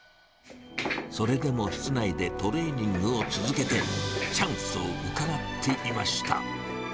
それでも、室内でトレーニングを続けて、チャンスをうかがっていました。